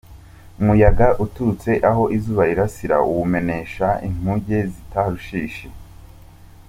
Umuyaga uturutse aho izuba rirasira, Uwumenesha inkuge z’i Tarushishi.